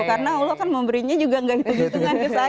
karena allah kan memberinya juga gak hitung hitungan ke saya